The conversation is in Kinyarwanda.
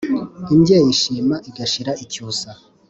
Imbyeyi ishima igashira icyusa,